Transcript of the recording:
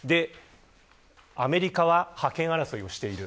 アメリカは覇権争いをしている。